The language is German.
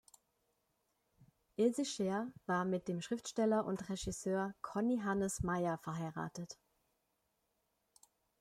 Ilse Scheer war mit dem Schriftsteller und Regisseur Conny Hannes Meyer verheiratet.